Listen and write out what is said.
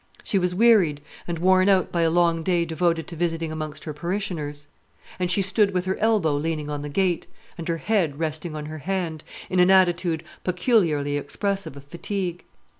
She was wearied and worn out by a long day devoted to visiting amongst her parishioners; and she stood with her elbow leaning on the gate, and her head resting on her hand, in an attitude peculiarly expressive of fatigue.